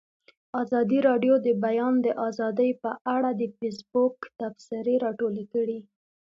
ازادي راډیو د د بیان آزادي په اړه د فیسبوک تبصرې راټولې کړي.